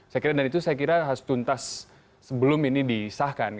saya kira dan itu saya kira harus tuntas sebelum ini disahkan